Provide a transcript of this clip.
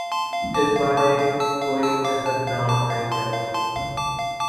اس بارے کوئی کسر نہ اٹھائی جاتی۔